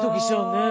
ねえ。